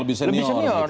senior lebih senior